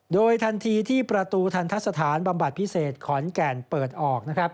โดยทันทีที่ประตูทันทะสถานบำบัดพิเศษขอนแก่นเปิดออก